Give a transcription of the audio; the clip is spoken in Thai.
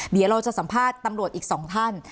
เดี๋ยวเราจะสัมภาษณ์ตำรวจอีก๒ท่าน